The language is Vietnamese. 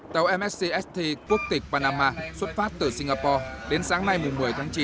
tàu mscst quốc tịch panama xuất phát từ singapore đến sáng nay một mươi tháng chín